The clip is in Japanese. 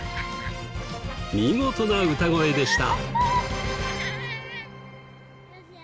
見事な歌声でした。